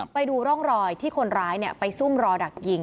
ไปดูร่องรอยที่คนร้ายไปซุ่มรอดักยิง